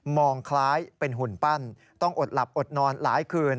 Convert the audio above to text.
คล้ายเป็นหุ่นปั้นต้องอดหลับอดนอนหลายคืน